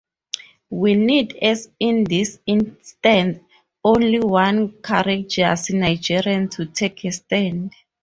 We need as in this instance only one courageous Nigerian to take a stand.